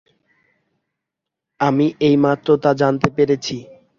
আমি এইমাত্র তা জানতে পেরেছি।